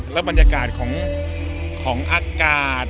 แล้วบรรยากาศของอากาศ